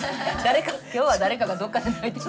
今日は誰かがどっかで泣いてる。